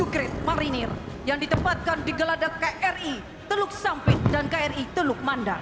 tujuh krite marinir yang ditempatkan di geladak kri teluk sampit dan kri teluk mandar